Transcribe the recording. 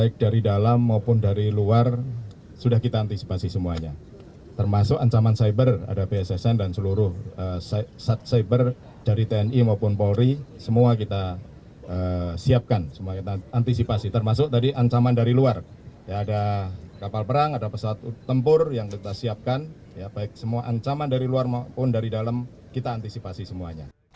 kapal perang ada pesawat tempur yang kita siapkan baik semua ancaman dari luar maupun dari dalam kita antisipasi semuanya